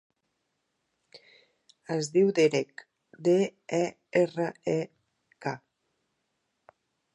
Es diu Derek: de, e, erra, e, ca.